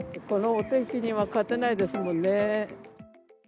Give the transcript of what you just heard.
このお天気には勝てないですもんね。